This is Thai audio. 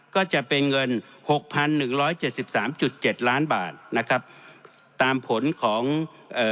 ก็จะเป็นเงินหกพันหนึ่งร้อยเจ็ดสิบสามจุดเจ็ดล้านบาทนะครับตามผลของเอ่อ